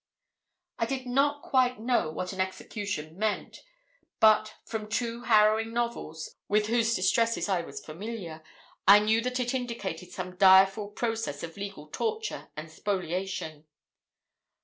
I did not quite know what an execution meant; but from two harrowing novels, with whose distresses I was familiar, I knew that it indicated some direful process of legal torture and spoliation.